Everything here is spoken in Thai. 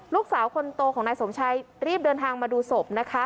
ลูกสาวคนโตของนายสมชัยรีบเดินทางมาดูศพนะคะ